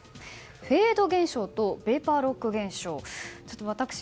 フェード現象とベーパーロック現象。